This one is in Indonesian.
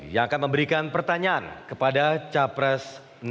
yang akan memberikan pertanyaan kepada capres satu